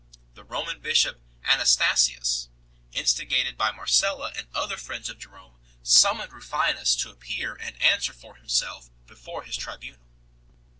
The Roman bishop Anastasius, instigated by Marcella and other friends of Jerome, summoned Rufinus to appear and answer for himself before his tribunal.